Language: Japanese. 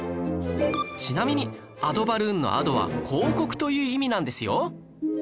ちなみにアドバルーンの「アド」は「広告」という意味なんですよ